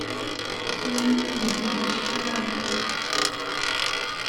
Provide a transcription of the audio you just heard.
Ttawin-d akk medden ticekkaṛin.